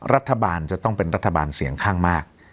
รัฐบาลจะต้องเป็นรัฐบาลเสียงข้างมาก